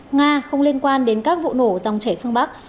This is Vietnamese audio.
nga không liên quan đến các vụ nổ dòng chảy phương bắc